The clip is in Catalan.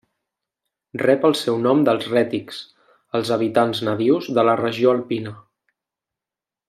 Rep el seu nom dels rètics, els habitants nadius de la regió alpina.